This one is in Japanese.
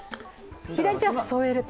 左手は添えると。